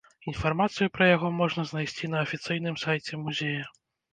Інфармацыю пра яго можна знайсці на афіцыйным сайце музея.